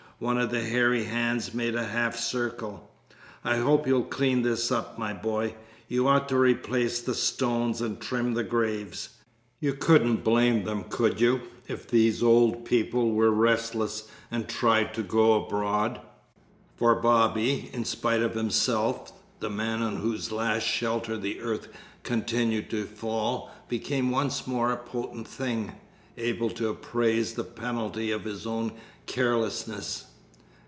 One of the hairy hands made a half circle. "I hope you'll clean this up, my boy. You ought to replace the stones and trim the graves. You couldn't blame them, could you, if these old people were restless and tried to go abroad?" For Bobby, in spite of himself, the man on whose last shelter the earth continued to fall became once more a potent thing, able to appraise the penalty of his own carelessness.